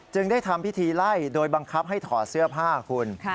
ได้ทำพิธีไล่โดยบังคับให้ถอดเสื้อผ้าคุณ